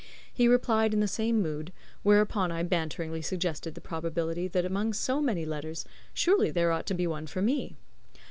He replied in the same mood, whereupon I banteringly suggested the probability that among so many letters, surely there ought to be one for me.